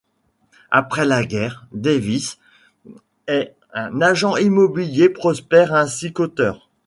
Après la guerre, Davies est un agent immobilier prospère ainsi qu'auteur.